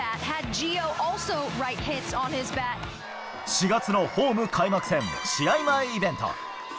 ４月のホーム開幕戦試合前イベント。